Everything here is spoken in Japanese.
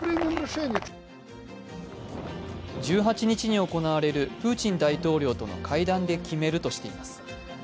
１８日に行われるプーチン大統領との会談で決めるとしています。